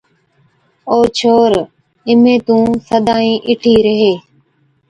’او ڇوهر، اِمهين تُون سدائِين اِٺي ريهي،